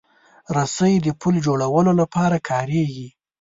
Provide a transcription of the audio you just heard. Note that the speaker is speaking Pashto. رسۍ د پُل جوړولو لپاره کارېږي.